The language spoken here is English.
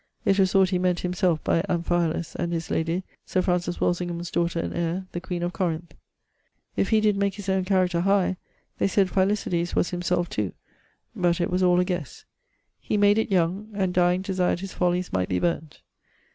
It was thought he meant himself by Amphi[alus] and his lady, Sir Francis Walsingham's daughter and heire, the queen of Corinth. If he did make his owne character high, they sayd Philisides was himself to, but it was all a guesse. He made it young, and diyng desired his folies might be burnt.